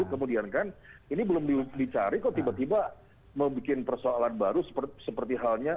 kemudian kan ini belum dicari kok tiba tiba membuat persoalan baru seperti halnya